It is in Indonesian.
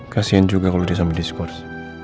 kasian juga kalau dia sama diskurs